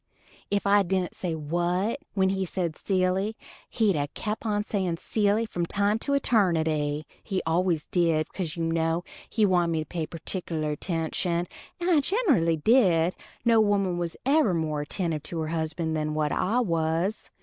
If I dident say "what" when he said "Silly" he'd a kept on saying "Silly," from time to eternity. He always did, because you know, he wanted me to pay pertikkeler attention, and I ginerally did; no woman was ever more attentive to her husband than what I was.